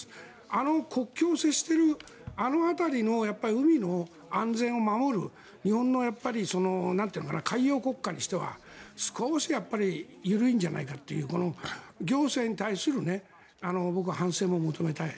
あの国境を接しているあの辺りの海の安全を守る日本の海洋国家にしては少し緩いんじゃないかという行政に対する僕は反省も求めたい。